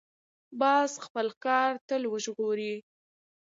باز خپل ښکار تل وژغوري